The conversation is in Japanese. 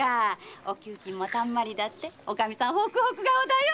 お給金もたんまりだっておかみさんもホクホク顔だよ！